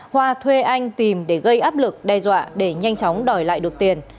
hoa thuê anh tìm để gây áp lực đe dọa để nhanh chóng đòi lại được tiền